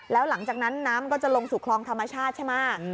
แล้วหลังจากนั้นน้ำก็จะลงสู่คลองธรรมชาติใช่ไหม